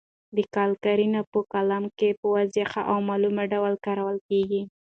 قال قرینه په کلام کي په واضح او معلوم ډول کارول کیږي.